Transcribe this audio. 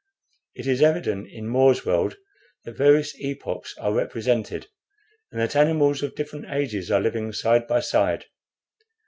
It is evident that in More's world various epochs are represented, and that animals of different ages are living side by side."